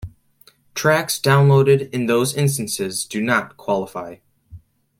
Tracks downloaded in those instances do not qualify.